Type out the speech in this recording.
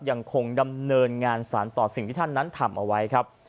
ยังคงดำเนินงานสารต่อสิ่งที่ท่านนั้นทำเอาไว้ครับ